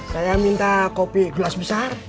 saya minta kopi gelas besar